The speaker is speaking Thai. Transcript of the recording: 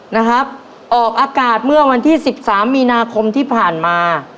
นะครับออกอากาศเมื่อวันที่สิบสามมีนาคมที่ผ่านมา